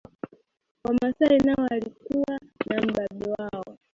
Wamasai nao walikuwa na mbabe wao